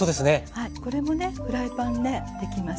はいこれもねフライパンでできます。